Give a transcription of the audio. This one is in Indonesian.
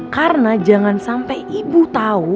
karena jangan sampe ibu tau